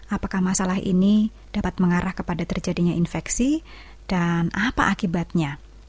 apakah masalah ini dapat mengarah kepada terjadinya infeksi dan apa akibatnya